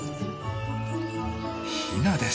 ヒナです。